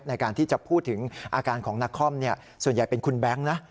ในการที่จะพูดถึงอาการของนักคอมส่วนใหญ่เป็นคุณแบงค์นะ